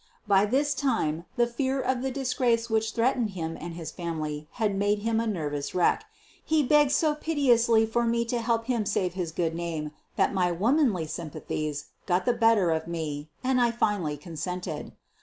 By this time the fear of the disgrace which threat ened him and his family had made him a nervous wreck. He begged so piteously for me to help him save his good name that my womanly sympathies got the better of me and I finally consented.